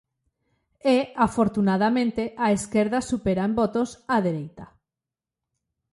E, afortunadamente, a esquerda supera en votos á dereita.